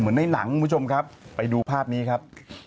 ในหนังคุณผู้ชมครับไปดูภาพนี้ครับ